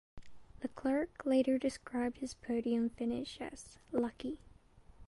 Leclerc later described his podium finish as "lucky".